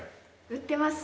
売ってます。